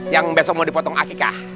yang besok mau dipotong akikah